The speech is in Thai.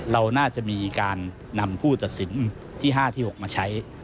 เราน่าจะมีการนำผู้ตัดสินที่๕ที่๖มาใช้